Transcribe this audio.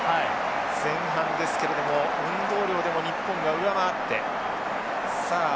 前半ですけれども運動量でも日本が上回ってさあ